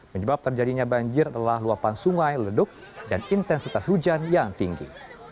penyebab terjadinya banjir adalah luapan sungai leduk dan intensitas hujan yang tinggi